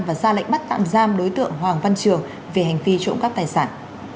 và ra lệnh bắt tạm giam đối tượng hoàng văn trường về hành vi trộm cắp tài sản